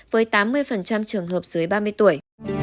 với tám mươi trường hợp dưới ba mươi tuổi